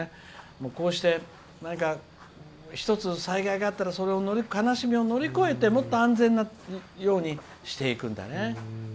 こうして一つ、災害があったら悲しみを乗り越えてもっと安全なようにしていくんだね。